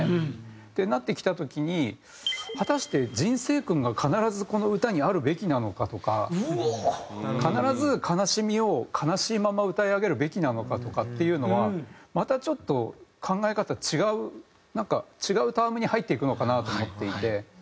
ってなってきた時に果たして人生訓が必ずこの歌にあるべきなのかとか必ず悲しみを悲しいまま歌い上げるべきなのかとかっていうのはまたちょっと考え方違う違うタームに入っていくのかなと思っていて。